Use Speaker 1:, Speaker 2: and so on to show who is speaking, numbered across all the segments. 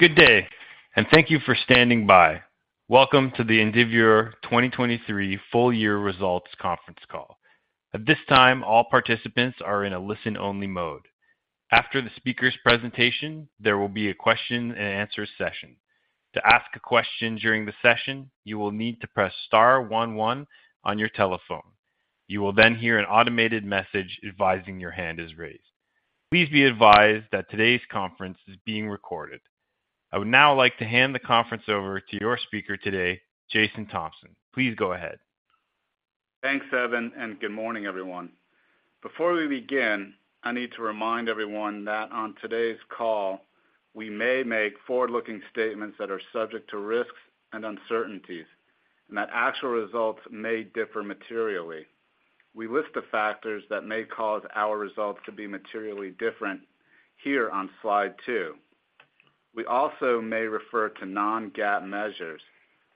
Speaker 1: Good day, and thank you for standing by. Welcome to the Indivior 2023 full year results conference call. At this time, all participants are in a listen-only mode. After the speaker's presentation, there will be a question-and-answer session. To ask a question during the session, you will need to press star one one on your telephone. You will then hear an automated message advising your hand is raised. Please be advised that today's conference is being recorded. I would now like to hand the conference over to your speaker today, Jason Thompson. Please go ahead.
Speaker 2: Thanks, Evan, and good morning, everyone. Before we begin, I need to remind everyone that on today's call, we may make forward-looking statements that are subject to risks and uncertainties, and that actual results may differ materially. We list the factors that may cause our results to be materially different here on slide two. We also may refer to non-GAAP measures,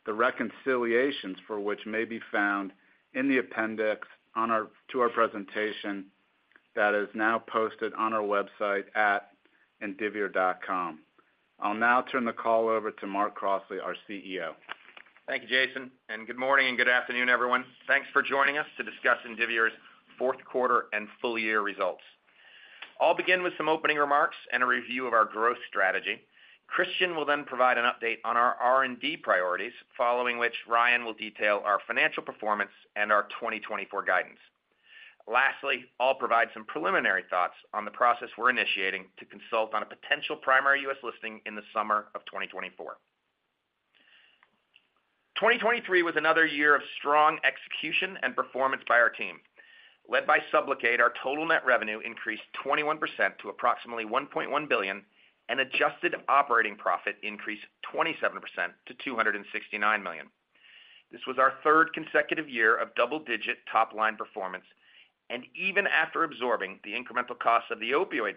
Speaker 2: the reconciliations for which may be found in the appendix to our presentation that is now posted on our website at indivior.com. I'll now turn the call over to Mark Crossley, our CEO.
Speaker 3: Thank you, Jason, and good morning and good afternoon, everyone. Thanks for joining us to discuss Indivior's fourth quarter and full year results. I'll begin with some opening remarks and a review of our growth strategy. Christian will then provide an update on our R&D priorities, following which Ryan will detail our financial performance and our 2024 guidance. Lastly, I'll provide some preliminary thoughts on the process we're initiating to consult on a potential primary U.S. listing in the summer of 2024. 2023 was another year of strong execution and performance by our team. Led by SUBLOCADE, our total net revenue increased 21% to approximately $1.1 billion, and adjusted operating profit increased 27% to $269 million. This was our third consecutive year of double-digit top-line performance, and even after absorbing the incremental costs of the Opioid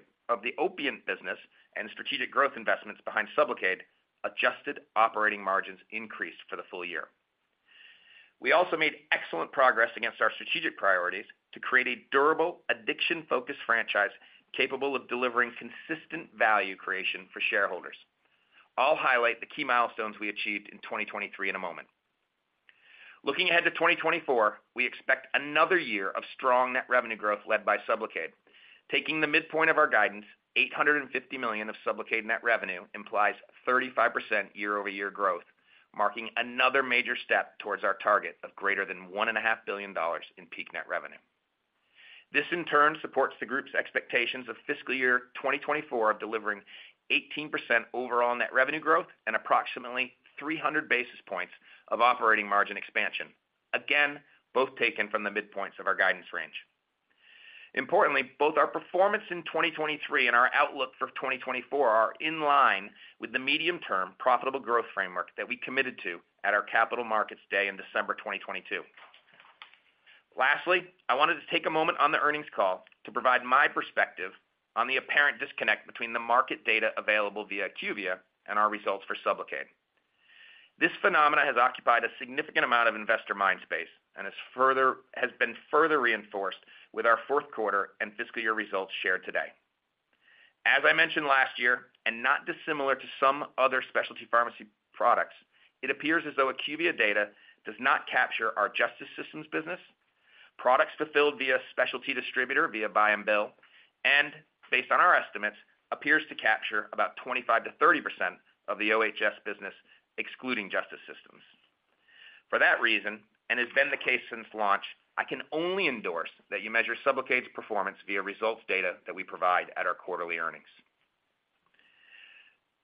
Speaker 3: business and strategic growth investments behind SUBLOCADE, adjusted operating margins increased for the full year. We also made excellent progress against our strategic priorities to create a durable, addiction-focused franchise capable of delivering consistent value creation for shareholders. I'll highlight the key milestones we achieved in 2023 in a moment. Looking ahead to 2024, we expect another year of strong net revenue growth led by SUBLOCADE. Taking the midpoint of our guidance, $850 million of SUBLOCADE net revenue implies 35% year-over-year growth, marking another major step towards our target of greater than $1.5 billion in peak net revenue. This, in turn, supports the group's expectations of fiscal year 2024 of delivering 18% overall net revenue growth and approximately 300 basis points of operating margin expansion, again, both taken from the midpoints of our guidance range. Importantly, both our performance in 2023 and our outlook for 2024 are in line with the medium-term profitable growth framework that we committed to at our Capital Markets Day in December 2022. Lastly, I wanted to take a moment on the earnings call to provide my perspective on the apparent disconnect between the market data available via IQVIA and our results for SUBLOCADE. This phenomenon has occupied a significant amount of investor mindspace and has been further reinforced with our fourth quarter and fiscal year results shared today. As I mentioned last year, and not dissimilar to some other specialty pharmacy products, it appears as though IQVIA data does not capture our Justice Systems business, products fulfilled via specialty distributor via buy-and-bill, and, based on our estimates, appears to capture about 25%-30% of the OHS business excluding Justice Systems. For that reason, and has been the case since launch, I can only endorse that you measure SUBLOCADE's performance via results data that we provide at our quarterly earnings.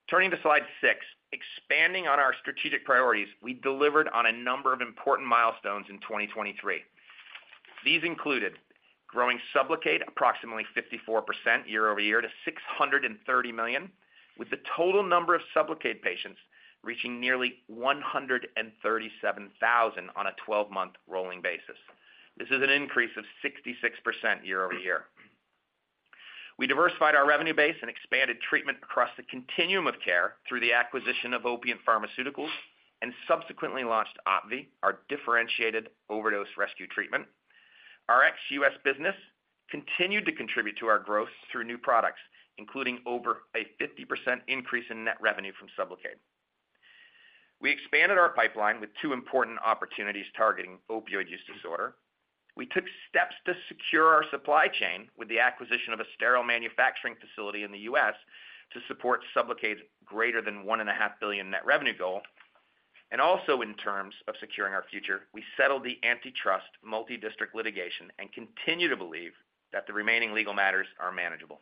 Speaker 3: Turning to slide 6, expanding on our strategic priorities, we delivered on a number of important milestones in 2023. These included growing SUBLOCADE approximately 54% year-over-year to $630 million, with the total number of SUBLOCADE patients reaching nearly 137,000 on a 12-month rolling basis. This is an increase of 66% year-over-year. We diversified our revenue base and expanded treatment across the continuum of care through the acquisition of Opiant Pharmaceuticals and subsequently launched OPVEE, our differentiated overdose rescue treatment. Our ex-U.S. business continued to contribute to our growth through new products, including over a 50% increase in net revenue from SUBLOCADE. We expanded our pipeline with two important opportunities targeting opioid use disorder. We took steps to secure our supply chain with the acquisition of a sterile manufacturing facility in the U.S. to support SUBLOCADE's greater than $1.5 billion net revenue goal. And also, in terms of securing our future, we settled the antitrust multi-district litigation and continue to believe that the remaining legal matters are manageable.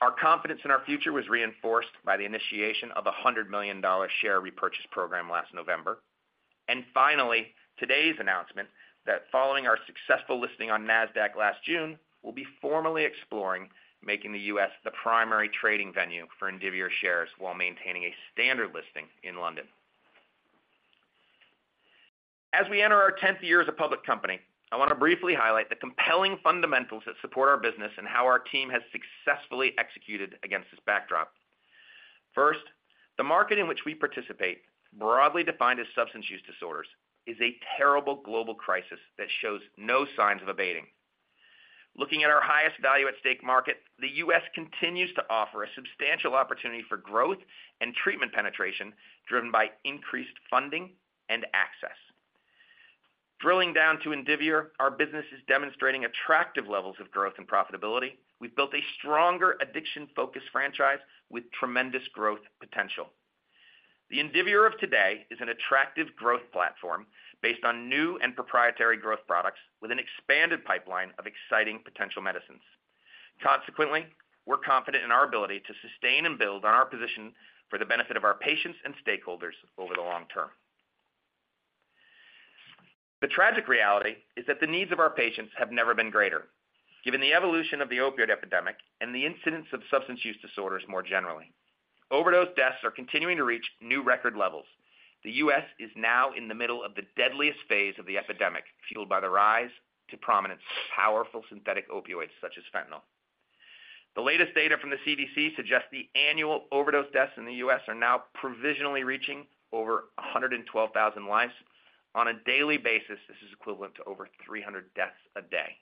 Speaker 3: Our confidence in our future was reinforced by the initiation of a $100 million share repurchase program last November, and finally, today's announcement that following our successful listing on NASDAQ last June, we'll be formally exploring making the U.S. the primary trading venue for Indivior shares while maintaining a standard listing in London. As we enter our tenth year as a public company, I want to briefly highlight the compelling fundamentals that support our business and how our team has successfully executed against this backdrop. First, the market in which we participate, broadly defined as substance use disorders, is a terrible global crisis that shows no signs of abating. Looking at our highest value-at-stake market, the U.S. continues to offer a substantial opportunity for growth and treatment penetration driven by increased funding and access. Drilling down to Indivior, our business is demonstrating attractive levels of growth and profitability. We've built a stronger addiction-focused franchise with tremendous growth potential. The Indivior of today is an attractive growth platform based on new and proprietary growth products with an expanded pipeline of exciting potential medicines. Consequently, we're confident in our ability to sustain and build on our position for the benefit of our patients and stakeholders over the long term. The tragic reality is that the needs of our patients have never been greater, given the evolution of the opioid epidemic and the incidence of substance use disorders more generally. Overdose deaths are continuing to reach new record levels. The U.S. is now in the middle of the deadliest phase of the epidemic, fueled by the rise to prominence of powerful synthetic opioids such as fentanyl. The latest data from the CDC suggests the annual overdose deaths in the U.S. are now provisionally reaching over 112,000 lives. On a daily basis, this is equivalent to over 300 deaths a day.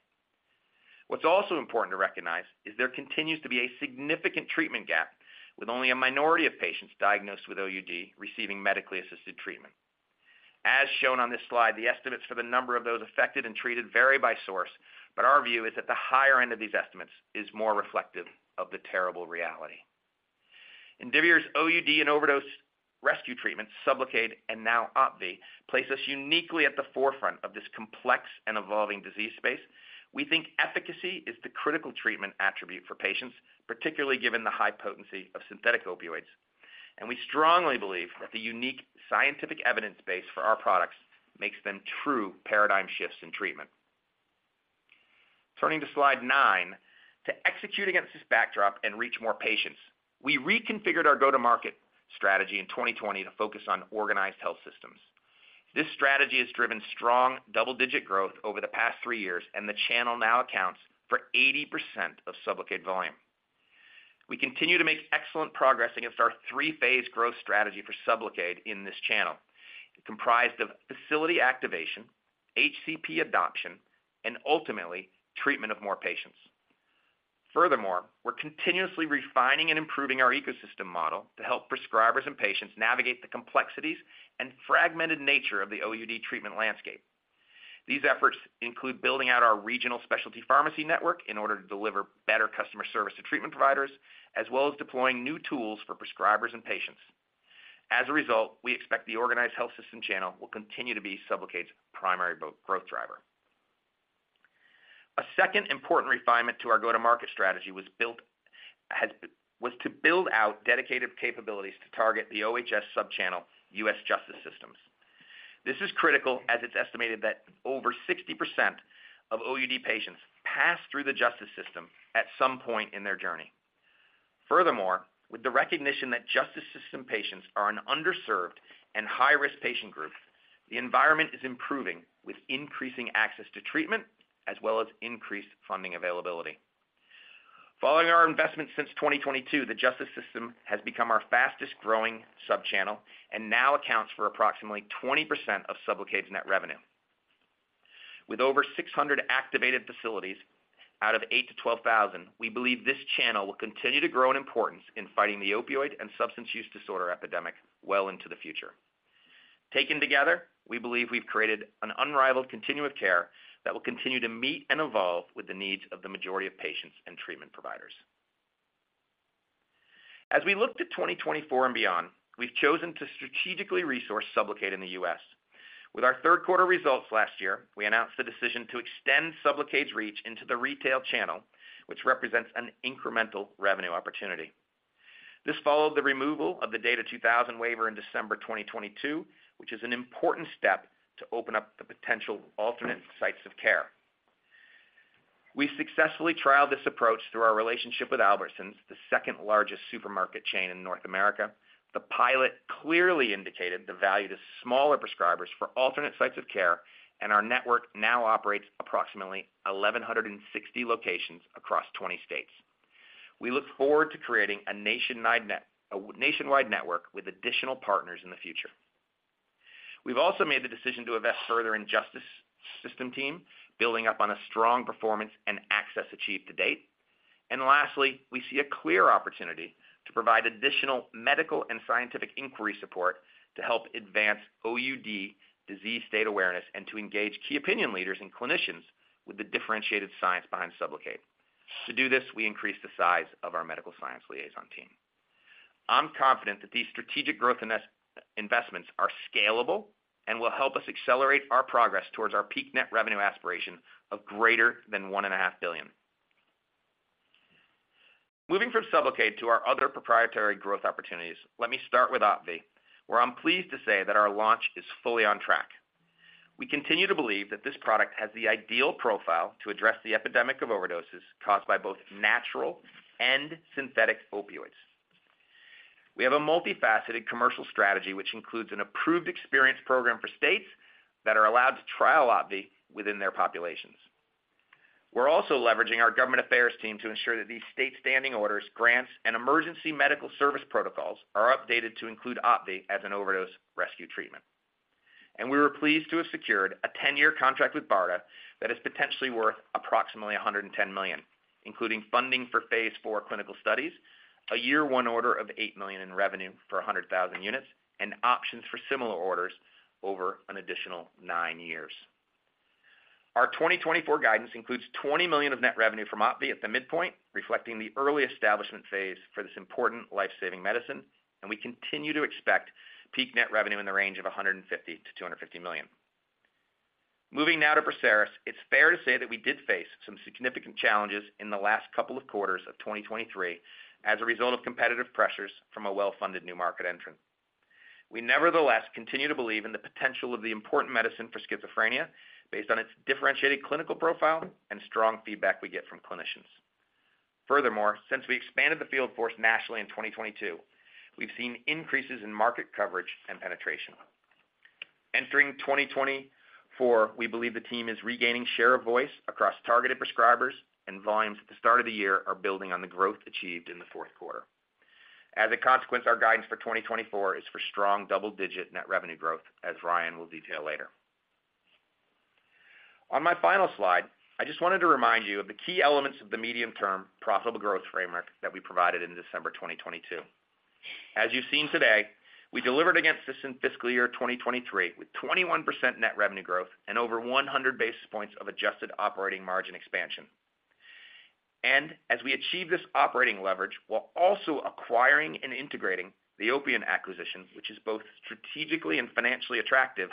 Speaker 3: What's also important to recognize is there continues to be a significant treatment gap, with only a minority of patients diagnosed with OUD receiving medically assisted treatment. As shown on this slide, the estimates for the number of those affected and treated vary by source, but our view is that the higher end of these estimates is more reflective of the terrible reality. Indivior's OUD and overdose rescue treatments, SUBLOCADE and now OPVEE, place us uniquely at the forefront of this complex and evolving disease space. We think efficacy is the critical treatment attribute for patients, particularly given the high potency of synthetic opioids. And we strongly believe that the unique scientific evidence base for our products makes them true paradigm shifts in treatment. Turning to slide nine, to execute against this backdrop and reach more patients, we reconfigured our go-to-market strategy in 2020 to focus on organized health systems. This strategy has driven strong double-digit growth over the past three years, and the channel now accounts for 80% of SUBLOCADE volume. We continue to make excellent progress against our three-phase growth strategy for SUBLOCADE in this channel, comprised of facility activation, HCP adoption, and ultimately treatment of more patients. Furthermore, we're continuously refining and improving our ecosystem model to help prescribers and patients navigate the complexities and fragmented nature of the OUD treatment landscape. These efforts include building out our regional specialty pharmacy network in order to deliver better customer service to treatment providers, as well as deploying new tools for prescribers and patients. As a result, we expect the organized health system channel will continue to be SUBLOCADE's primary growth driver. A second important refinement to our go-to-market strategy was to build out dedicated capabilities to target the OHS subchannel, U.S. Justice Systems. This is critical as it's estimated that over 60% of OUD patients pass through the justice system at some point in their journey. Furthermore, with the recognition that justice system patients are an underserved and high-risk patient group, the environment is improving with increasing access to treatment as well as increased funding availability. Following our investments since 2022, the justice system has become our fastest-growing subchannel and now accounts for approximately 20% of SUBLOCADE's net revenue. With over 600 activated facilities out of 8,000-12,000, we believe this channel will continue to grow in importance in fighting the opioid and substance use disorder epidemic well into the future. Taken together, we believe we've created an unrivaled continuum of care that will continue to meet and evolve with the needs of the majority of patients and treatment providers. As we look to 2024 and beyond, we've chosen to strategically resource SUBLOCADE in the U.S. With our third quarter results last year, we announced the decision to extend SUBLOCADE's reach into the retail channel, which represents an incremental revenue opportunity. This followed the removal of the DATA 2000 Waiver in December 2022, which is an important step to open up the potential alternate sites of care. We successfully trialed this approach through our relationship with Albertsons, the second-largest supermarket chain in North America. The pilot clearly indicated the value to smaller prescribers for alternate sites of care, and our network now operates approximately 1,160 locations across 20 states. We look forward to creating a nationwide network with additional partners in the future. We've also made the decision to invest further in the justice system team, building up on a strong performance and access achieved to date. Lastly, we see a clear opportunity to provide additional medical and scientific inquiry support to help advance OUD disease state awareness and to engage key opinion leaders and clinicians with the differentiated science behind SUBLOCADE. To do this, we increased the size of our medical science liaison team. I'm confident that these strategic growth investments are scalable and will help us accelerate our progress towards our peak net revenue aspiration of greater than $1.5 billion. Moving from SUBLOCADE to our other proprietary growth opportunities, let me start with OPVEE, where I'm pleased to say that our launch is fully on track. We continue to believe that this product has the ideal profile to address the epidemic of overdoses caused by both natural and synthetic opioids. We have a multifaceted commercial strategy which includes an approved experience program for states that are allowed to trial OPVEE within their populations. We're also leveraging our government affairs team to ensure that these state-standing orders, grants, and emergency medical service protocols are updated to include OPVEE as an overdose rescue treatment. We were pleased to have secured a 10-year contract with BARDA that is potentially worth approximately $110 million, including funding for phase IV clinical studies, a year-one order of $8 million in revenue for 100,000 units, and options for similar orders over an additional nine years. Our 2024 guidance includes $20 million of net revenue from OPVEE at the midpoint, reflecting the early establishment phase for this important lifesaving medicine, and we continue to expect peak net revenue in the range of $150 million-$250 million. Moving now to PERSERIS, it's fair to say that we did face some significant challenges in the last couple of quarters of 2023 as a result of competitive pressures from a well-funded new market entrant. We nevertheless continue to believe in the potential of the important medicine for schizophrenia based on its differentiated clinical profile and strong feedback we get from clinicians. Furthermore, since we expanded the field force nationally in 2022, we've seen increases in market coverage and penetration. Entering 2024, we believe the team is regaining share of voice across targeted prescribers, and volumes at the start of the year are building on the growth achieved in the fourth quarter. As a consequence, our guidance for 2024 is for strong double-digit net revenue growth, as Ryan will detail later. On my final slide, I just wanted to remind you of the key elements of the medium-term profitable growth framework that we provided in December 2022. As you've seen today, we delivered against this fiscal year 2023 with 21% net revenue growth and over 100 basis points of adjusted operating margin expansion. And as we achieve this operating leverage, we'll also acquiring and integrating the Opiant acquisition, which is both strategically and financially attractive,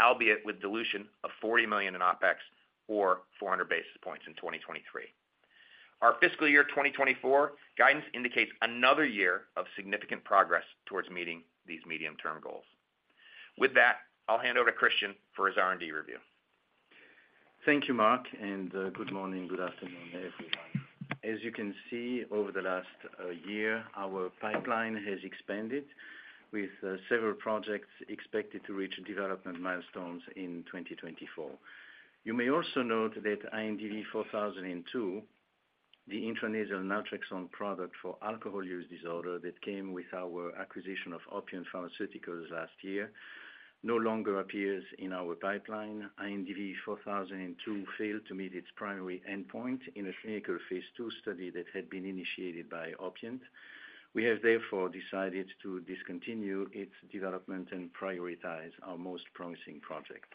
Speaker 3: albeit with dilution of $40 million in OpEx or 400 basis points in 2023. Our fiscal year 2024 guidance indicates another year of significant progress towards meeting these medium-term goals. With that, I'll hand over to Christian for his R&D review.
Speaker 4: Thank you, Mark, and good morning, good afternoon, everyone. As you can see, over the last year, our pipeline has expanded, with several projects expected to reach development milestones in 2024. You may also note that INDV-4002, the intranasal naltrexone product for alcohol use disorder that came with our acquisition of Opiant Pharmaceuticals last year, no longer appears in our pipeline. INDV-4002 failed to meet its primary endpoint in a clinical phase II study that had been initiated by Opiant. We have therefore decided to discontinue its development and prioritize our most promising project.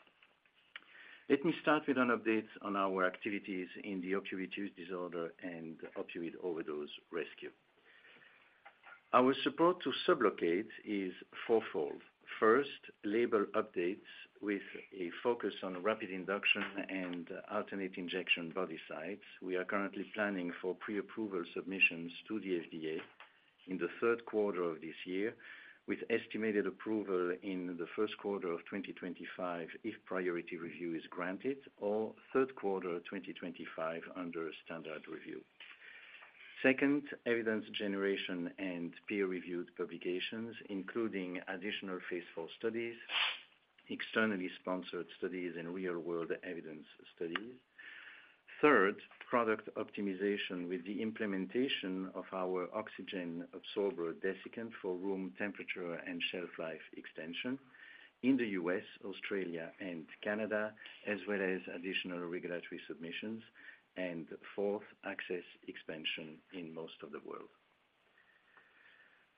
Speaker 4: Let me start with an update on our activities in the opioid use disorder and opioid overdose rescue. Our support to SUBLOCADE is fourfold. First, label updates with a focus on rapid induction and alternate injection body sites. We are currently planning for pre-approval submissions to the FDA in the third quarter of this year, with estimated approval in the first quarter of 2025 if priority review is granted, or third quarter 2025 under standard review. Second, evidence generation and peer-reviewed publications, including additional phase IV studies, externally sponsored studies, and real-world evidence studies. Third, product optimization with the implementation of our oxygen absorber desiccant for room temperature and shelf life extension in the U.S., Australia, and Canada, as well as additional regulatory submissions. Fourth, access expansion in most of the world.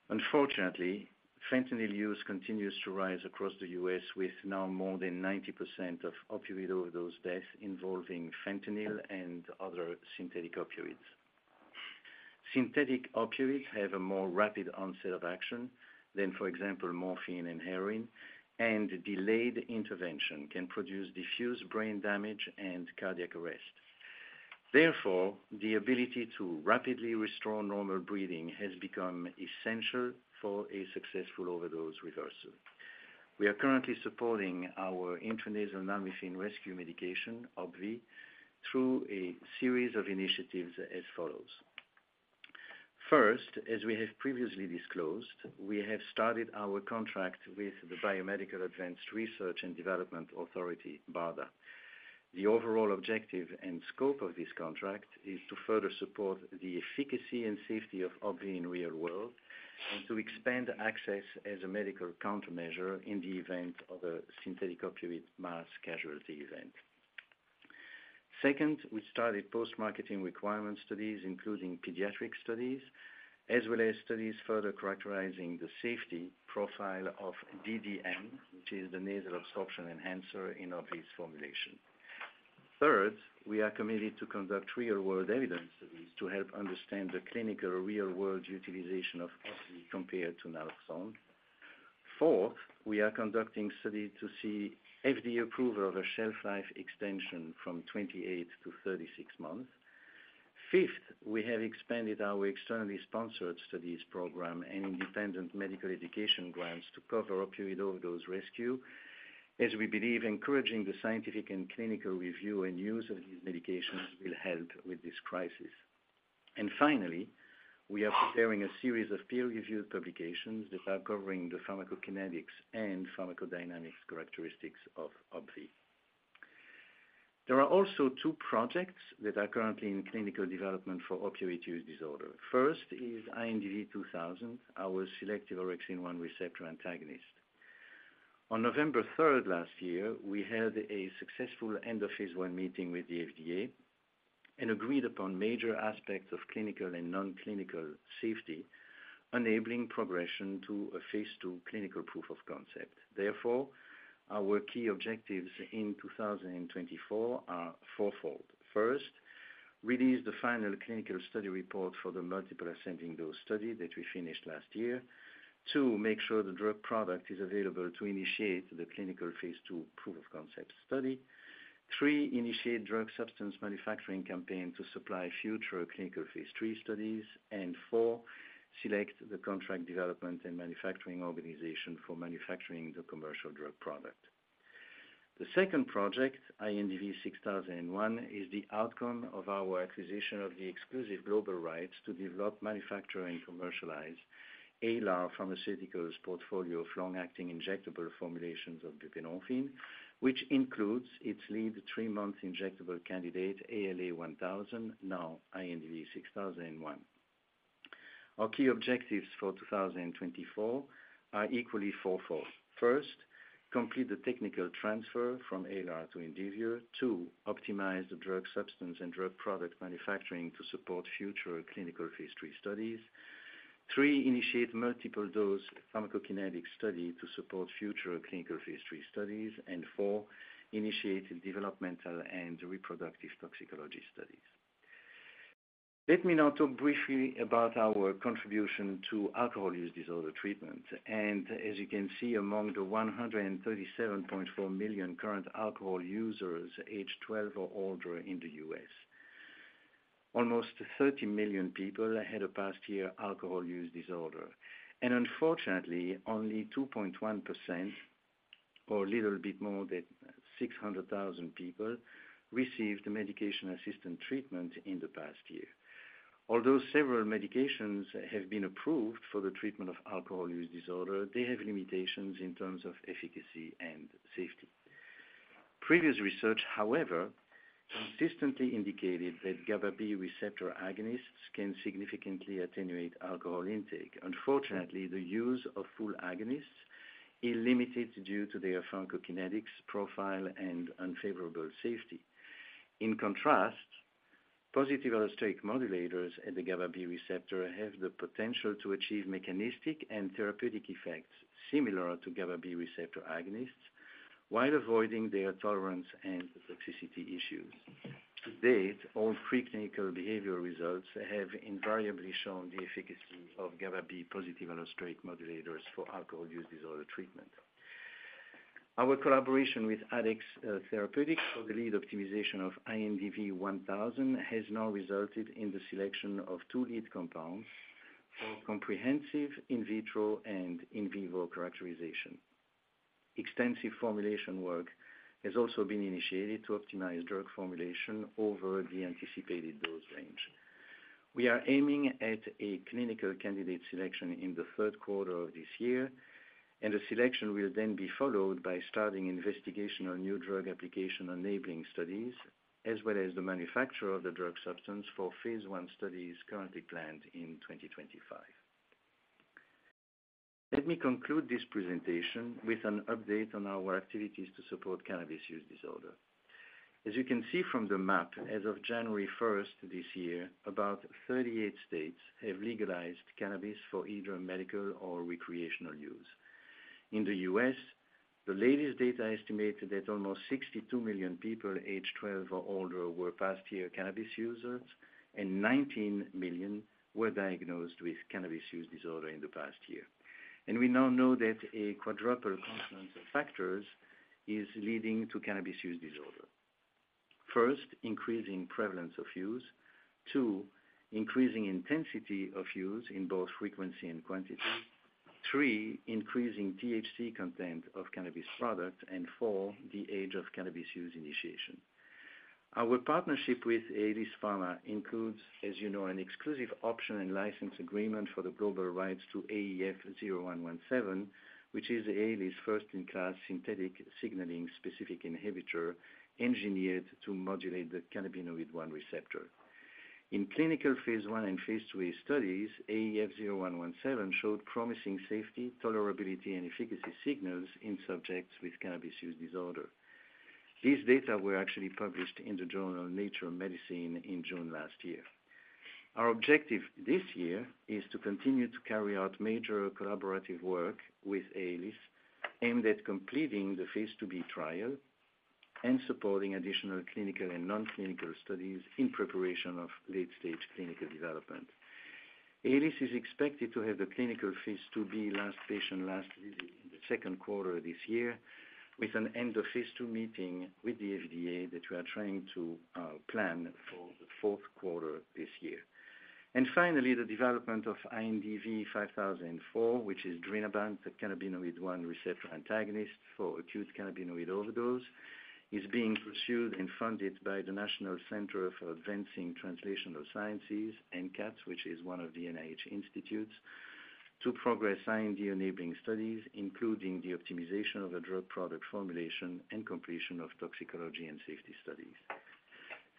Speaker 4: Unfortunately, fentanyl use continues to rise across the U.S., with now more than 90% of opioid overdose deaths involving fentanyl and other synthetic opioids. Synthetic opioids have a more rapid onset of action than, for example, morphine and heroin, and delayed intervention can produce diffuse brain damage and cardiac arrest. Therefore, the ability to rapidly restore normal breathing has become essential for a successful overdose reversal. We are currently supporting our intranasal nalmefene rescue medication, OPVEE, through a series of initiatives as follows. First, as we have previously disclosed, we have started our contract with the Biomedical Advanced Research and Development Authority, BARDA. The overall objective and scope of this contract is to further support the efficacy and safety of OPVEE in the real world and to expand access as a medical countermeasure in the event of a synthetic opioid mass casualty event. Second, we started post-marketing requirement studies, including pediatric studies, as well as studies further characterizing the safety profile of DDM, which is the nasal absorption enhancer in OPVEE's formulation. Third, we are committed to conduct real-world evidence studies to help understand the clinical real-world utilization of OPVEE compared to naltrexone. Fourth, we are conducting studies to seek FDA approval of a shelf life extension from 28-36 months. Fifth, we have expanded our externally sponsored studies program and independent medical education grants to cover opioid overdose rescue, as we believe encouraging the scientific and clinical review and use of these medications will help with this crisis. And finally, we are preparing a series of peer-reviewed publications that are covering the pharmacokinetics and pharmacodynamics characteristics of OPVEE. There are also two projects that are currently in clinical development for opioid use disorder. First is INDV-2000, our selective orexin-1 receptor antagonist. On November 3rd last year, we held a successful end-of-phase I meeting with the FDA and agreed upon major aspects of clinical and non-clinical safety, enabling progression to a phase II clinical proof of concept. Therefore, our key objectives in 2024 are fourfold. First, release the final clinical study report for the multiple ascending dose study that we finished last year. Two, make sure the drug product is available to initiate the clinical phase II proof of concept study. Three, initiate drug substance manufacturing campaign to supply future clinical phase III studies. And four., select the contract development and manufacturing organization for manufacturing the commercial drug product. The second project, INDV-6001, is the outcome of our acquisition of the exclusive global rights to develop, manufacture, and commercialize ALAR Pharmaceuticals portfolio of long-acting injectable formulations of buprenorphine, which includes its lead three-month injectable candidate, ALA-1000, now INDV-6001. Our key objectives for 2024 are equally fourfold. First, complete the technical transfer from ALAR to Indivior. Two, optimize the drug substance and drug product manufacturing to support future clinical phase III studies. Three, initiate multiple dose pharmacokinetic study to support future clinical phase III studies. And four, initiate developmental and reproductive toxicology studies. Let me now talk briefly about our contribution to alcohol use disorder treatment. As you can see, among the 137.4 million current alcohol users age 12 or older in the U.S., almost 30 million people had a past year alcohol use disorder. Unfortunately, only 2.1% or a little bit more than 600,000 people received medication-assisted treatment in the past year. Although several medications have been approved for the treatment of alcohol use disorder, they have limitations in terms of efficacy and safety. Previous research, however, consistently indicated that GABA-B receptor agonists can significantly attenuate alcohol intake. Unfortunately, the use of full agonists is limited due to their pharmacokinetics profile and unfavorable safety. In contrast, positive allosteric modulators at the GABA-B receptor have the potential to achieve mechanistic and therapeutic effects similar to GABA-B receptor agonists while avoiding their tolerance and toxicity issues. To date, all preclinical behavioral results have invariably shown the efficacy of GABA-B positive allosteric modulators for alcohol use disorder treatment. Our collaboration with Addex Therapeutics for the lead optimization of INDV-1000 has now resulted in the selection of two lead compounds for comprehensive in vitro and in vivo characterization. Extensive formulation work has also been initiated to optimize drug formulation over the anticipated dose range. We are aiming at a clinical candidate selection in the third quarter of this year, and the selection will then be followed by starting investigational new drug application enabling studies, as well as the manufacture of the drug substance for phase I studies currently planned in 2025. Let me conclude this presentation with an update on our activities to support cannabis use disorder. As you can see from the map, as of January 1st this year, about 38 states have legalized cannabis for either medical or recreational use. In the U.S., the latest data estimated that almost 62 million people age 12 or older were past year cannabis users, and 19 million were diagnosed with cannabis use disorder in the past year. We now know that a quadruple confluence of factors is leading to cannabis use disorder. First, increasing prevalence of use. two, increasing intensity of use in both frequency and quantity. Three, increasing THC content of cannabis product. And four, the age of cannabis use initiation. Our partnership with Aelis Farma includes, as you know, an exclusive option and license agreement for the global rights to AEF0117, which is Aelis' first-in-class synthetic signaling-specific inhibitor engineered to modulate the cannabinoid-1 receptor. In clinical phase I and phase III studies, AEF0117 showed promising safety, tolerability, and efficacy signals in subjects with cannabis use disorder. These data were actually published in the journal Nature Medicine in June last year. Our objective this year is to continue to carry out major collaborative work with Aelis aimed at completing the phase IIb trial and supporting additional clinical and non-clinical studies in preparation of late-stage clinical development. Aelis is expected to have the clinical phase IIb last patient last visit in the second quarter of this year, with an end-of-phase II meeting with the FDA that we are trying to plan for the fourth quarter this year. And finally, the development of INDV-5004, which is drinabant cannabinoid-1 receptor antagonist for acute cannabinoid overdose, is being pursued and funded by the National Center for Advancing Translational Sciences, NCATS, which is one of the NIH institutes, to progress IND enabling studies, including the optimization of a drug product formulation and completion of toxicology and safety studies.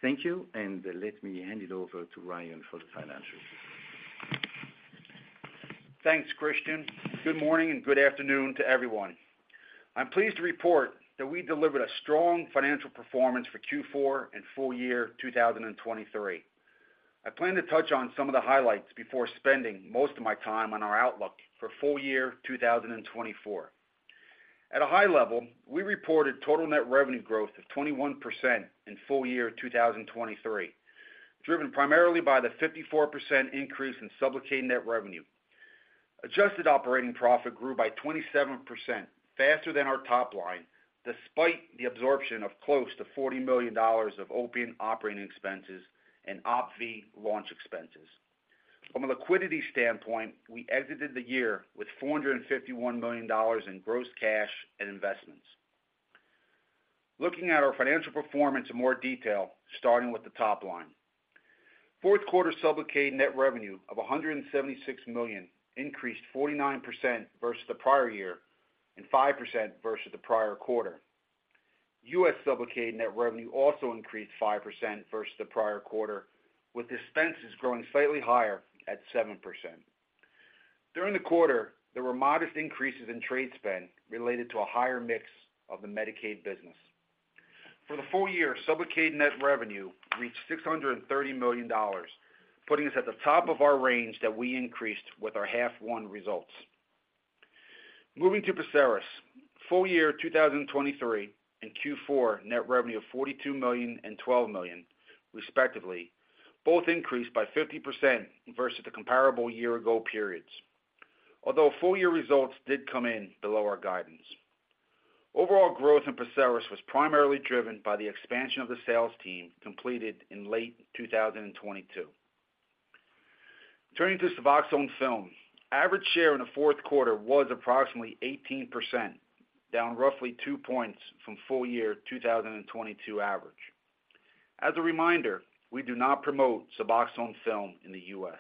Speaker 4: Thank you, and let me hand it over to Ryan for the financials.
Speaker 5: Thanks, Christian. Good morning and good afternoon to everyone. I'm pleased to report that we delivered a strong financial performance for Q4 and full year 2023. I plan to touch on some of the highlights before spending most of my time on our outlook for full year 2024. At a high level, we reported total net revenue growth of 21% in full year 2023, driven primarily by the 54% increase in SUBLOCADE net revenue. Adjusted operating profit grew by 27%, faster than our top line, despite the absorption of close to $40 million of Opiant operating expenses and OPVEE launch expenses. From a liquidity standpoint, we exited the year with $451 million in gross cash and investments. Looking at our financial performance in more detail, starting with the top line, fourth quarter SUBLOCADE net revenue of $176 million increased 49% versus the prior year and 5% versus the prior quarter. U.S. SUBLOCADE net revenue also increased 5% versus the prior quarter, with expenses growing slightly higher at 7%. During the quarter, there were modest increases in trade spend related to a higher mix of the Medicaid business. For the full year, SUBLOCADE net revenue reached $630 million, putting us at the top of our range that we increased with our half-one results. Moving to PERSERIS, full year 2023 and Q4 net revenue of $42 million and $12 million, respectively, both increased by 50% versus the comparable year-ago periods, although full-year results did come in below our guidance. Overall growth in PERSERIS was primarily driven by the expansion of the sales team completed in late 2022. Turning to SUBOXONE Film, average share in the fourth quarter was approximately 18%, down roughly two points from full year 2022 average. As a reminder, we do not promote SUBOXONE Film in the U.S.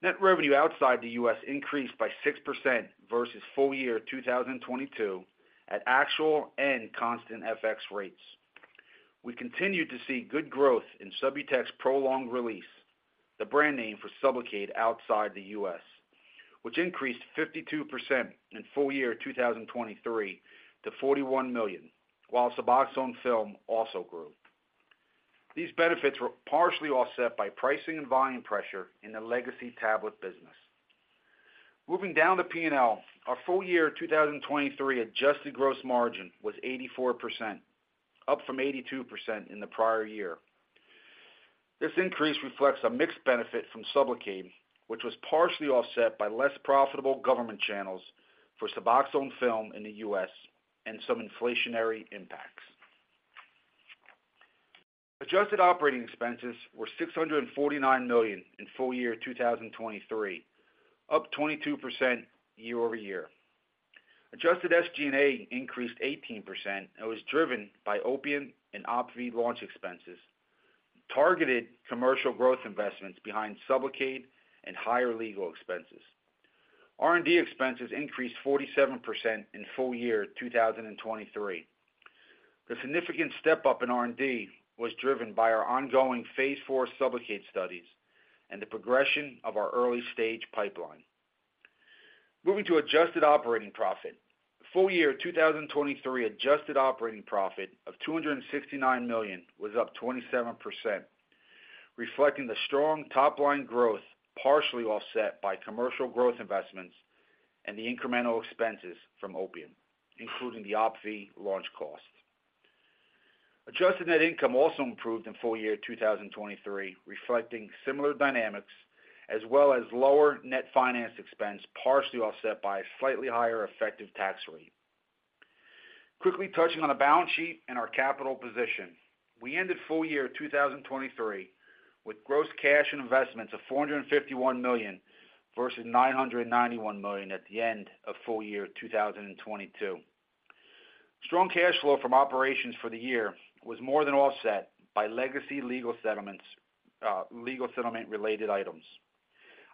Speaker 5: Net revenue outside the U.S. increased by 6% versus full year 2022 at actual and constant FX rates. We continued to see good growth in SUBUTEX Prolonged Release, the brand name for SUBLOCADE outside the U.S., which increased 52% in full year 2023 to $41 million, while SUBOXONE Film also grew. These benefits were partially offset by pricing and volume pressure in the legacy tablet business. Moving down the P&L, our full year 2023 adjusted gross margin was 84%, up from 82% in the prior year. This increase reflects a mixed benefit from SUBLOCADE, which was partially offset by less profitable government channels for SUBOXONE Film in the U.S. and some inflationary impacts. Adjusted operating expenses were $649 million in full year 2023, up 22% year-over-year. Adjusted SG&A increased 18% and was driven by Opiant and OPVEE launch expenses, targeted commercial growth investments behind SUBLOCADE and higher legal expenses. R&D expenses increased 47% in full year 2023. The significant step up in R&D was driven by our ongoing phase IV SUBLOCADE studies and the progression of our early-stage pipeline. Moving to adjusted operating profit, full year 2023 adjusted operating profit of $269 million was up 27%, reflecting the strong top line growth partially offset by commercial growth investments and the incremental expenses from Opiant, including the OPVEE launch cost. Adjusted net income also improved in full year 2023, reflecting similar dynamics as well as lower net finance expense partially offset by a slightly higher effective tax rate. Quickly touching on the balance sheet and our capital position, we ended full year 2023 with gross cash and investments of $451 million versus $991 million at the end of full year 2022. Strong cash flow from operations for the year was more than offset by legacy legal settlements legal settlement-related items.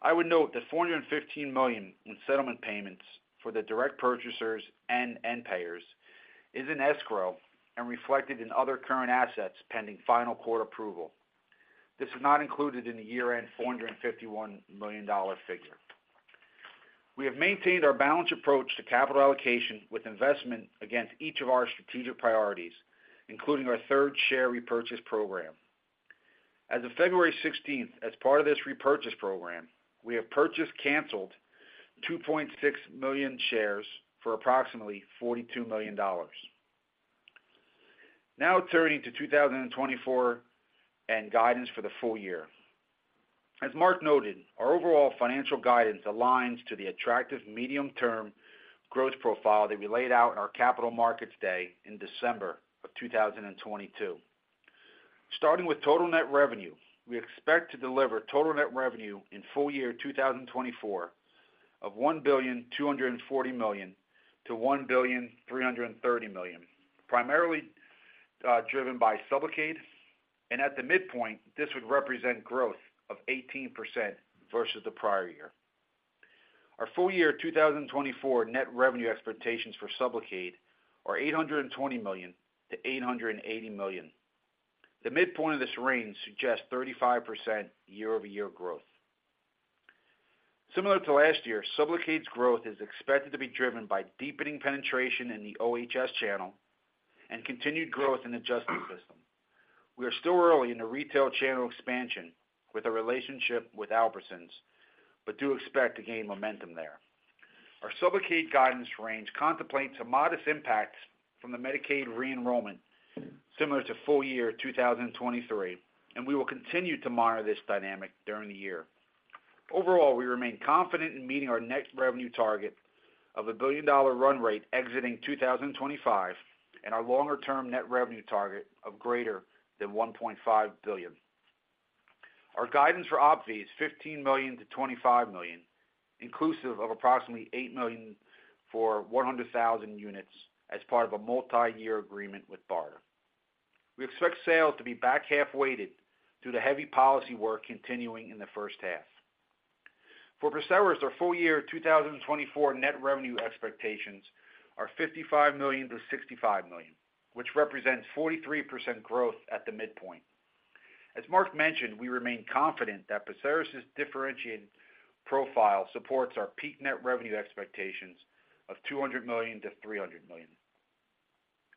Speaker 5: I would note that $415 million in settlement payments for the direct purchasers and end payers is in escrow and reflected in other current assets pending final quarter approval. This is not included in the year-end $451 million figure. We have maintained our balance approach to capital allocation with investment against each of our strategic priorities, including our third share repurchase program. As of February 16th, as part of this repurchase program, we have repurchased and canceled 2.6 million shares for approximately $42 million. Now turning to 2024 and guidance for the full year. As Mark noted, our overall financial guidance aligns to the attractive medium-term growth profile that we laid out in our Capital Markets Day in December of 2022. Starting with total net revenue, we expect to deliver total net revenue in full year 2024 of $1,240 million-$1,330 million, primarily driven by SUBLOCADE. At the midpoint, this would represent growth of 18% versus the prior year. Our full year 2024 net revenue expectations for SUBLOCADE are $820 million-$880 million. The midpoint of this range suggests 35% year-over-year growth. Similar to last year, SUBLOCADE's growth is expected to be driven by deepening penetration in the OHS channel and continued growth in the adjudication system. We are still early in the retail channel expansion with our relationship with Albertsons, but do expect to gain momentum there. Our SUBLOCADE guidance range contemplates a modest impact from the Medicaid re-enrollment similar to full year 2023, and we will continue to monitor this dynamic during the year. Overall, we remain confident in meeting our net revenue target of a billion-dollar run rate exiting 2025 and our longer-term net revenue target of greater than $1.5 billion. Our guidance for OPVEE is $15 million-$25 million, inclusive of approximately $8 million for 100,000 units as part of a multi-year agreement with BARDA. We expect sales to be back half-weighted due to heavy policy work continuing in the first half. For PERSERIS, our full year 2024 net revenue expectations are $55 million-$65 million, which represents 43% growth at the midpoint. As Mark mentioned, we remain confident that PERSERIS's differentiated profile supports our peak net revenue expectations of $200 million-$300 million.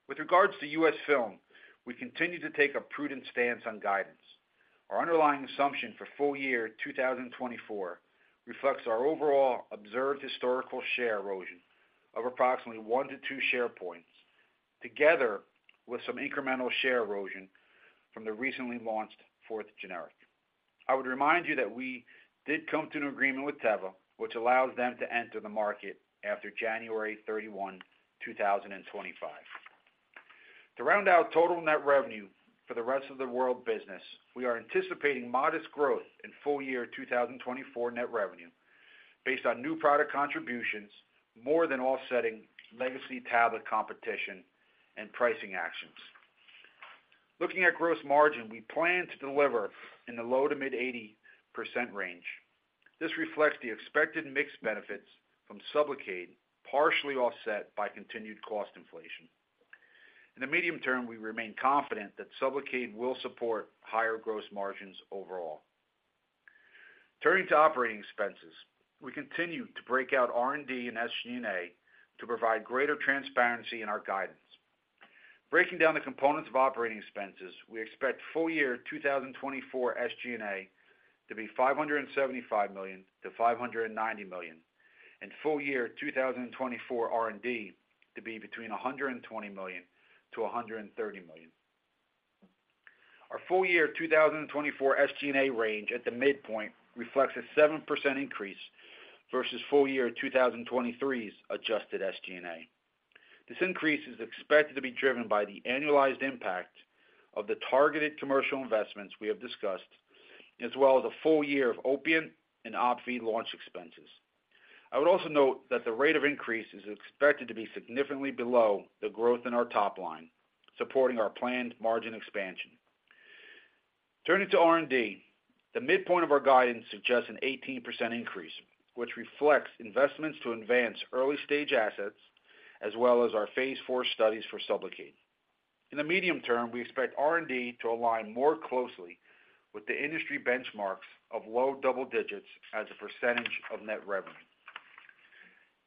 Speaker 5: With regards to U.S. Film, we continue to take a prudent stance on guidance. Our underlying assumption for full year 2024 reflects our overall observed historical share erosion of approximately one to two share points, together with some incremental share erosion from the recently launched fourth generic. I would remind you that we did come to an agreement with Teva, which allows them to enter the market after January 31, 2025. To round out total net revenue for the rest of the world business, we are anticipating modest growth in full year 2024 net revenue based on new product contributions, more than offsetting legacy tablet competition and pricing actions. Looking at gross margin, we plan to deliver in the low- to mid-80% range. This reflects the expected mixed benefits from SUBLOCADE, partially offset by continued cost inflation. In the medium term, we remain confident that SUBLOCADE will support higher gross margins overall. Turning to operating expenses, we continue to break out R&D and SG&A to provide greater transparency in our guidance. Breaking down the components of operating expenses, we expect full year 2024 SG&A to be $575 million-$590 million, and full year 2024 R&D to be between $120 million-$130 million. Our full year 2024 SG&A range at the midpoint reflects a 7% increase versus full year 2023's adjusted SG&A. This increase is expected to be driven by the annualized impact of the targeted commercial investments we have discussed, as well as a full year of Opiant and OPVEE launch expenses. I would also note that the rate of increase is expected to be significantly below the growth in our top line, supporting our planned margin expansion. Turning to R&D, the midpoint of our guidance suggests an 18% increase, which reflects investments to advance early-stage assets as well as our phase IV studies for SUBLOCADE. In the medium term, we expect R&D to align more closely with the industry benchmarks of low double digits as a percentage of net revenue.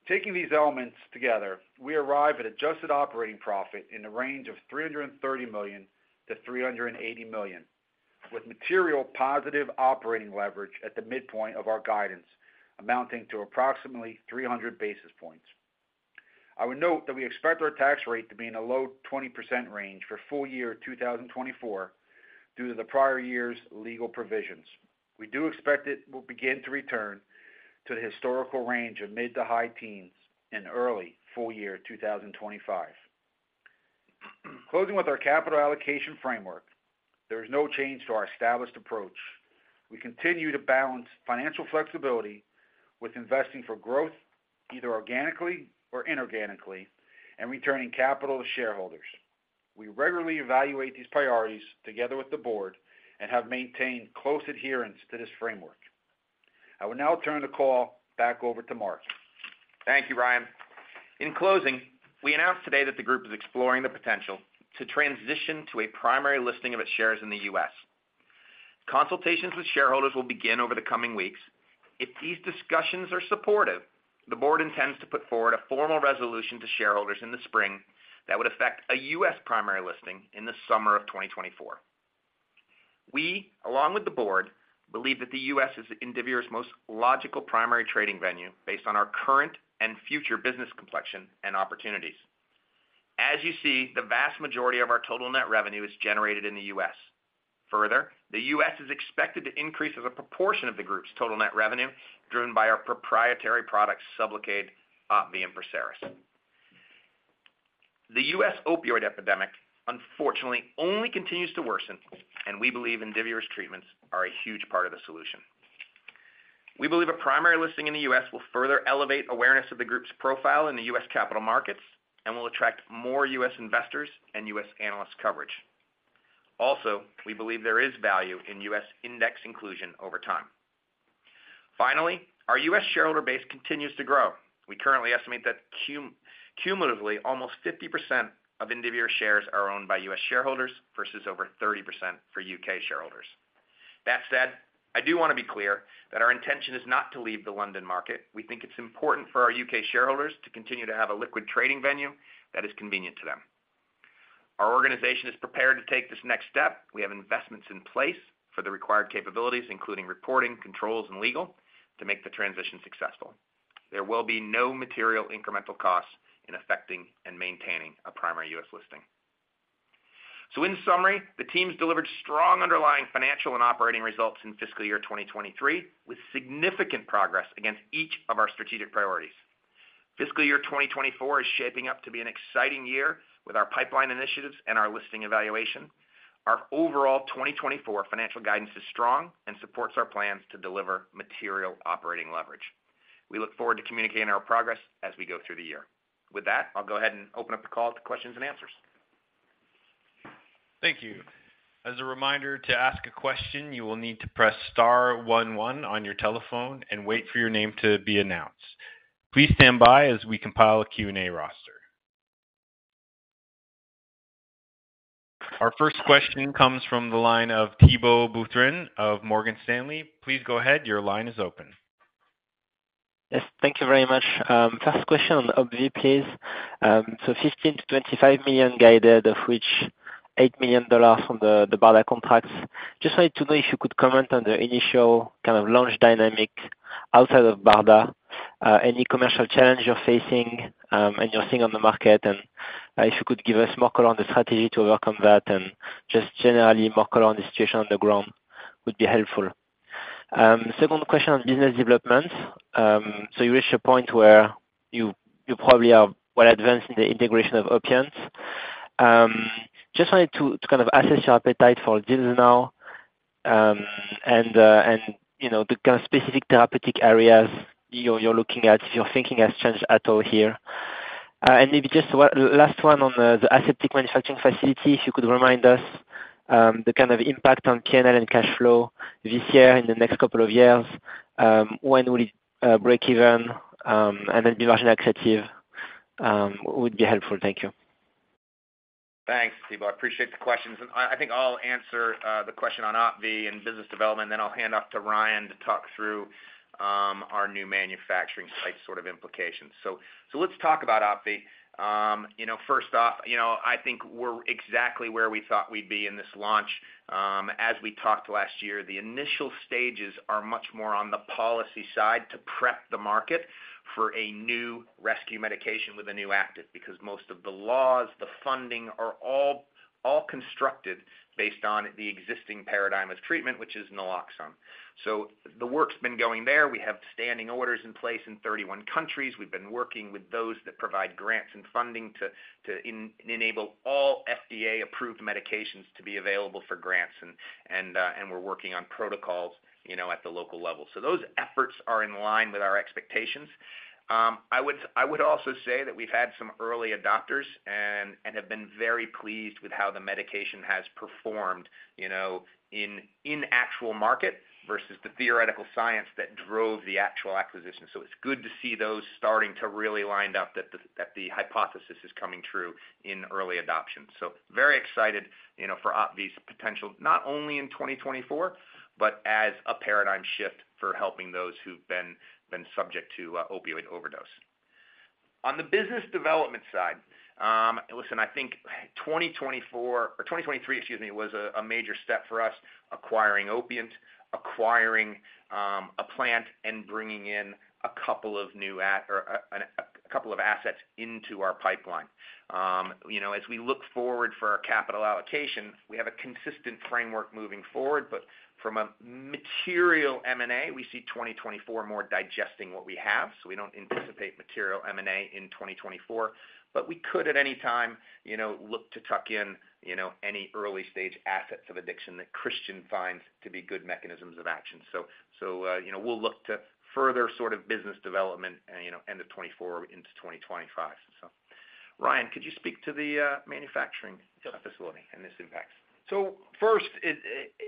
Speaker 5: Taking these elements together, we arrive at adjusted operating profit in the range of $330 million-$380 million, with material positive operating leverage at the midpoint of our guidance amounting to approximately 300 basis points. I would note that we expect our tax rate to be in a low 20% range for full year 2024 due to the prior year's legal provisions. We do expect it will begin to return to the historical range of mid to high teens in early full year 2025. Closing with our capital allocation framework, there is no change to our established approach. We continue to balance financial flexibility with investing for growth either organically or inorganically and returning capital to shareholders. We regularly evaluate these priorities together with the board and have maintained close adherence to this framework. I will now turn the call back over to Mark.
Speaker 3: Thank you, Ryan. In closing, we announce today that the group is exploring the potential to transition to a primary listing of its shares in the U.S. Consultations with shareholders will begin over the coming weeks. If these discussions are supportive, the board intends to put forward a formal resolution to shareholders in the spring that would affect a U.S. primary listing in the summer of 2024. We, along with the board, believe that the U.S. is Indivior's most logical primary trading venue based on our current and future business complexion and opportunities. As you see, the vast majority of our total net revenue is generated in the U.S. Further, the U.S. is expected to increase as a proportion of the group's total net revenue driven by our proprietary products, SUBLOCADE, OPVEE, and PERSERIS. The U.S. opioid epidemic, unfortunately, only continues to worsen, and we believe Indivior's treatments are a huge part of the solution. We believe a primary listing in the U.S. will further elevate awareness of the group's profile in the U.S. capital markets and will attract more U.S. investors and U.S. analysts' coverage. Also, we believe there is value in U.S. index inclusion over time. Finally, our U.S. shareholder base continues to grow. We currently estimate that cumulatively almost 50% of Indivior's shares are owned by U.S. shareholders versus over 30% for U.K. shareholders. That said, I do want to be clear that our intention is not to leave the London market. We think it's important for our U.K. Shareholders to continue to have a liquid trading venue that is convenient to them. Our organization is prepared to take this next step. We have investments in place for the required capabilities, including reporting, controls, and legal, to make the transition successful. There will be no material incremental costs in effecting and maintaining a primary U.S. listing. So in summary, the team's delivered strong underlying financial and operating results in fiscal year 2023 with significant progress against each of our strategic priorities. Fiscal year 2024 is shaping up to be an exciting year with our pipeline initiatives and our listing evaluation. Our overall 2024 financial guidance is strong and supports our plans to deliver material operating leverage. We look forward to communicating our progress as we go through the year. With that, I'll go ahead and open up the call to questions and answers. Thank you.
Speaker 1: As a reminder, to ask a question, you will need to press star one one on your telephone and wait for your name to be announced. Please stand by as we compile a Q&A roster. Our first question comes from the line of Thibault Boutherin of Morgan Stanley. Please go ahead. Your line is open.
Speaker 6: Yes. Thank you very much. First question on OPVEE, please. So $15 million-$25 million guided, of which $8 million from the BARDA contracts. Just wanted to know if you could comment on the initial kind of launch dynamic outside of BARDA, any commercial challenge you're facing and you're seeing on the market, and if you could give us more color on the strategy to overcome that and just generally more color on the situation on the ground would be helpful. Second question on business development. So you reached a point where you probably are well advanced in the integration of Opiant. Just wanted to kind of assess your appetite for deals now and the kind of specific therapeutic areas you're looking at if you're thinking of change at all here. And maybe just the last one on the aseptic manufacturing facility, if you could remind us, the kind of impact on P&L and cash flow this year and the next couple of years, when will it break even and then be marginally accretive would be helpful. Thank you.
Speaker 3: Thanks, Thibault. I appreciate the questions. And I think I'll answer the question on OPVEE and business development, then I'll hand off to Ryan to talk through our new manufacturing site sort of implications. So let's talk about OPVEE. First off, I think we're exactly where we thought we'd be in this launch. As we talked last year, the initial stages are much more on the policy side to prep the market for a new rescue medication with a new active because most of the laws, the funding are all constructed based on the existing paradigm of treatment, which is naloxone. So the work's been going there. We have standing orders in place in 31 countries. We've been working with those that provide grants and funding to enable all FDA-approved medications to be available for grants, and we're working on protocols at the local level. So those efforts are in line with our expectations. I would also say that we've had some early adopters and have been very pleased with how the medication has performed in actual market versus the theoretical science that drove the actual acquisition. So it's good to see those starting to really line up, that the hypothesis is coming true in early adoption. So very excited for OPVEE's potential not only in 2024 but as a paradigm shift for helping those who've been subject to opioid overdose. On the business development side, listen, I think 2024 or 2023, excuse me, was a major step for us acquiring Opiant, acquiring a plant, and bringing in a couple of new or a couple of assets into our pipeline. As we look forward for our capital allocation, we have a consistent framework moving forward, but from a material M&A, we see 2024 more digesting what we have. So we don't anticipate material M&A in 2024, but we could at any time look to tuck in any early-stage assets of addiction that Christian finds to be good mechanisms of action. So we'll look to further sort of business development end of 2024 into 2025. Ryan, could you speak to the manufacturing facility and its impacts?
Speaker 5: So first, it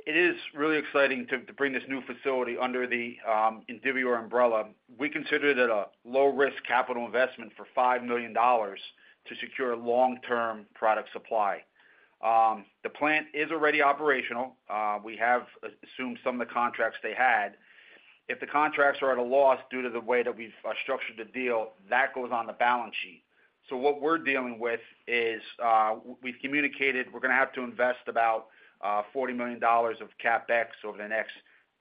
Speaker 5: is really exciting to bring this new facility under the Indivior umbrella. We consider that a low-risk capital investment for $5 million to secure long-term product supply. The plant is already operational. We have assumed some of the contracts they had. If the contracts are at a loss due to the way that we've structured the deal, that goes on the balance sheet. So what we're dealing with is we've communicated we're going to have to invest about $40 million of CapEx over the next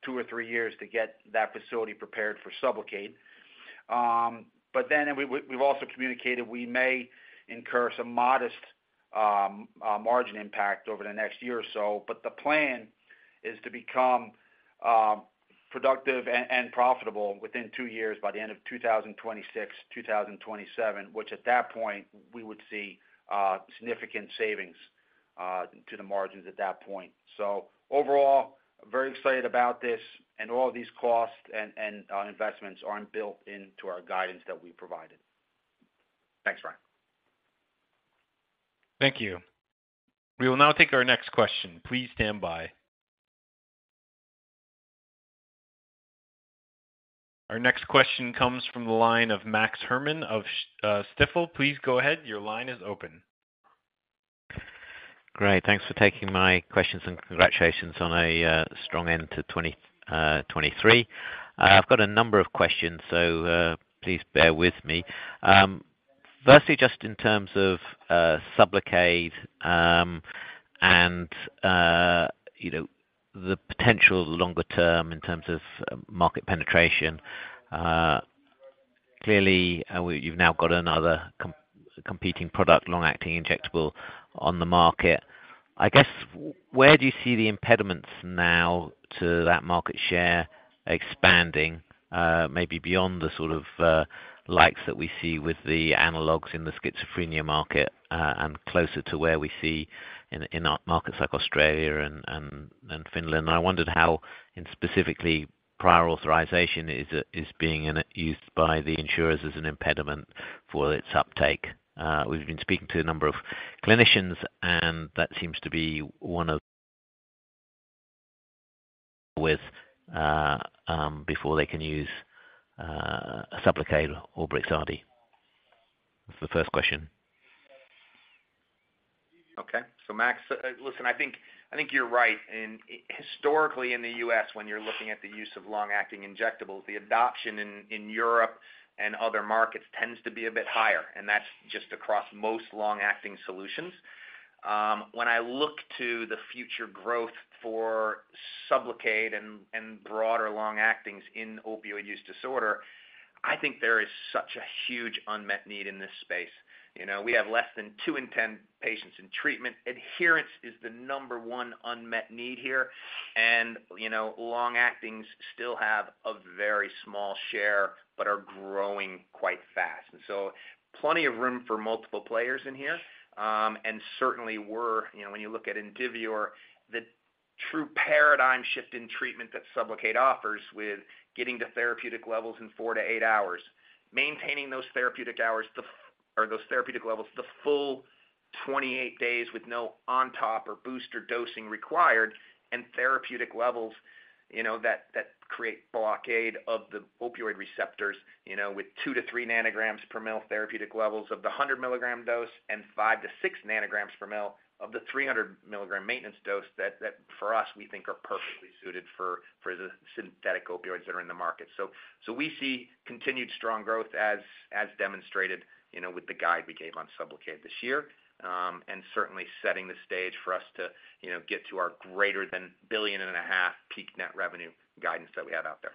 Speaker 5: two or three years to get that facility prepared for SUBLOCADE. Then we've also communicated we may incur some modest margin impact over the next year or so, but the plan is to become productive and profitable within two years by the end of 2026, 2027, which at that point, we would see significant savings to the margins at that point. So overall, very excited about this, and all of these costs and investments are built into our guidance that we provided.
Speaker 6: Thanks, Ryan.
Speaker 1: Thank you. We will now take our next question. Please stand by. Our next question comes from the line of Max Herrmann of Stifel. Please go ahead. Your line is open.
Speaker 7: Great. Thanks for taking my questions and congratulations on a strong end to 2023. I've got a number of questions, so please bear with me. Firstly, just in terms of SUBLOCADE and the potential longer term in terms of market penetration, clearly, you've now got another competing product, long-acting injectable, on the market. I guess where do you see the impediments now to that market share expanding, maybe beyond the sort of likes that we see with the analogs in the schizophrenia market and closer to where we see in markets like Australia and Finland? And I wondered how, specifically, prior authorization is being used by the insurers as an impediment for its uptake. We've been speaking to a number of clinicians, and that seems to be one of. With before they can use a SUBLOCADE or Brixadi. That's the first question.
Speaker 3: Okay. So Max, listen, I think you're right. Historically, in the U.S., when you're looking at the use of long-acting injectables, the adoption in Europe and other markets tends to be a bit higher, and that's just across most long-acting solutions. When I look to the future growth for SUBLOCADE and broader long-actings in opioid use disorder, I think there is such a huge unmet need in this space. We have less than two in 10 patients in treatment. Adherence is the number one unmet need here, and long-actings still have a very small share but are growing quite fast. And so plenty of room for multiple players in here. Certainly, when you look at Indivior, the true paradigm shift in treatment that SUBLOCADE offers with getting to therapeutic levels in four to eight hours, maintaining those therapeutic hours or those therapeutic levels the full 28 days with no on-top or booster dosing required, and therapeutic levels that create blockade of the opioid receptors with 2-3 nanograms per mL therapeutic levels of the 100-milligram dose and 5-6 nanograms per mL of the 300-milligram maintenance dose that, for us, we think are perfectly suited for the synthetic opioids that are in the market. So we see continued strong growth as demonstrated with the guide we gave on SUBLOCADE this year and certainly setting the stage for us to get to our greater-than-$1.5 billion peak net revenue guidance that we have out there.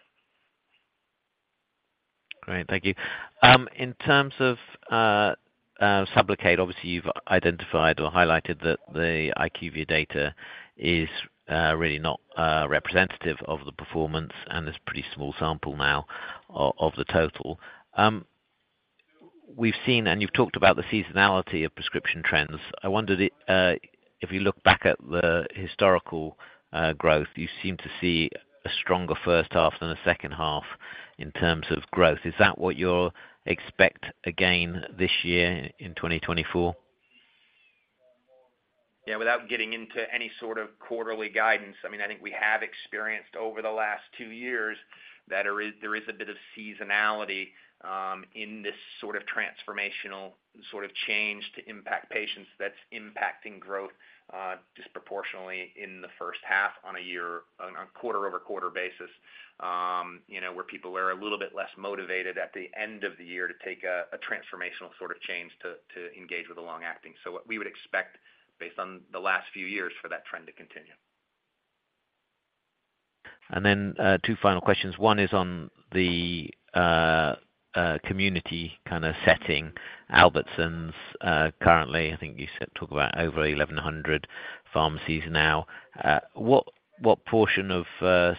Speaker 7: Great. Thank you. In terms of SUBLOCADE, obviously, you've identified or highlighted that the IQVIA data is really not representative of the performance, and there's a pretty small sample now of the total. We've seen, and you've talked about the seasonality of prescription trends. I wondered if you look back at the historical growth, you seem to see a stronger first half than a second half in terms of growth. Is that what you'll expect again this year in 2024?
Speaker 3: Yeah. Without getting into any sort of quarterly guidance, I mean, I think we have experienced over the last two years that there is a bit of seasonality in this sort of transformational sort of change to impact patients that's impacting growth disproportionately in the first half on a quarter-over-quarter basis where people are a little bit less motivated at the end of the year to take a transformational sort of change to engage with a long-acting. So we would expect, based on the last few years, for that trend to continue.
Speaker 7: And then two final questions. One is on the community kind of setting. Albertsons currently, I think you talked about over 1,100 pharmacies now. What portion of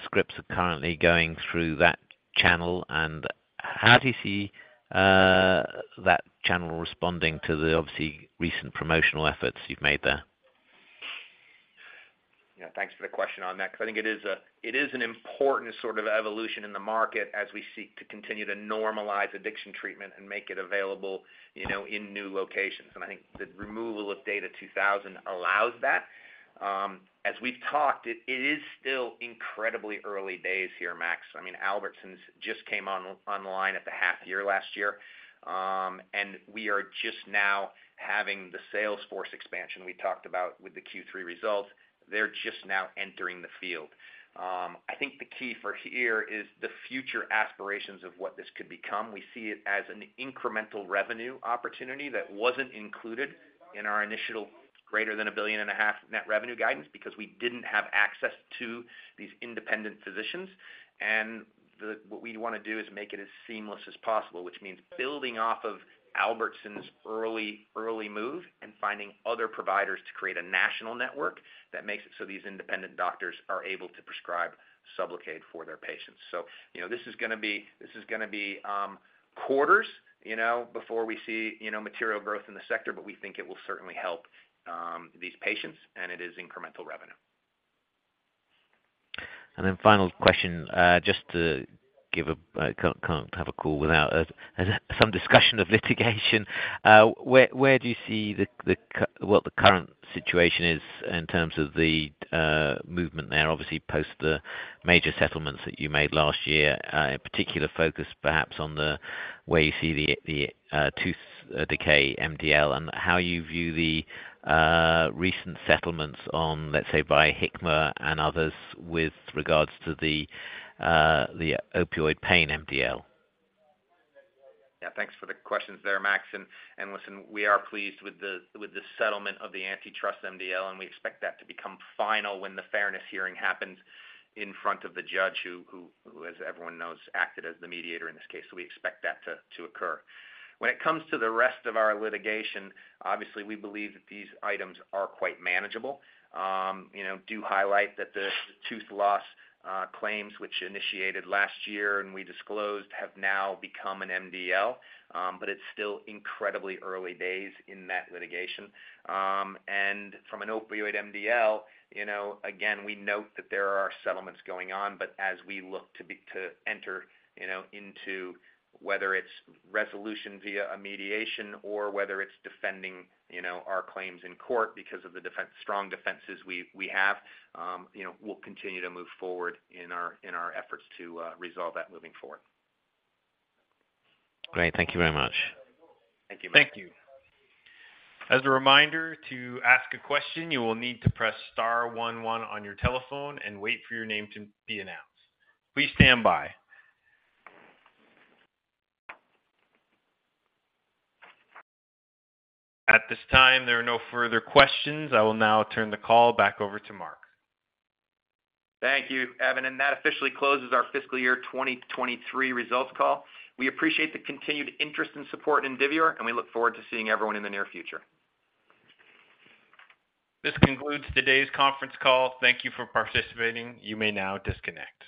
Speaker 7: scripts are currently going through that channel, and how do you see that channel responding to the, obviously, recent promotional efforts you've made there?
Speaker 3: Yeah. Thanks for the question on that because I think it is an important sort of evolution in the market as we seek to continue to normalize addiction treatment and make it available in new locations. I think the removal of DATA 2000 allows that. As we've talked, it is still incredibly early days here, Max. I mean, Albertsons just came online at the half-year last year, and we are just now having the sales force expansion we talked about with the Q3 results. They're just now entering the field. I think the key for here is the future aspirations of what this could become. We see it as an incremental revenue opportunity that wasn't included in our initial greater than $1.5 billion net revenue guidance because we didn't have access to these independent physicians. What we want to do is make it as seamless as possible, which means building off of Albertsons' early move and finding other providers to create a national network that makes it so these independent doctors are able to prescribe SUBLOCADE for their patients. So this is going to be quarters before we see material growth in the sector, but we think it will certainly help these patients, and it is incremental revenue.
Speaker 7: Then final question, just, you can't have a call without some discussion of litigation. Where do you see what the current situation is in terms of the movement there, obviously, post the major settlements that you made last year, in particular focus perhaps on the way you see the antitrust MDL and how you view the recent settlements on, let's say, via Hikma and others with regards to the opioid MDL?
Speaker 3: Yeah. Thanks for the questions there, Max. And listen, we are pleased with the settlement of the antitrust MDL, and we expect that to become final when the fairness hearing happens in front of the judge who, as everyone knows, acted as the mediator in this case. So we expect that to occur. When it comes to the rest of our litigation, obviously, we believe that these items are quite manageable. Do highlight that the tooth loss claims which initiated last year and we disclosed have now become an MDL, but it's still incredibly early days in that litigation. And from an opioid MDL, again, we note that there are settlements going on, but as we look to enter into whether it's resolution via a mediation or whether it's defending our claims in court because of the strong defenses we have, we'll continue to move forward in our efforts to resolve that moving forward. Great.
Speaker 7: Thank you very much.
Speaker 3: Thank you, Max.
Speaker 1: Thank you. As a reminder, to ask a question, you will need to press star one one on your telephone and wait for your name to be announced. Please stand by. At this time, there are no further questions. I will now turn the call back over to Mark.
Speaker 3: Thank you, Evan. That officially closes our fiscal year 2023 results call. We appreciate the continued interest and support in Indivior, and we look forward to seeing everyone in the near future. This concludes today's conference call. Thank you for participating. You may now disconnect.